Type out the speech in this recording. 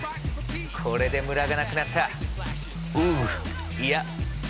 これでムラがなくなった。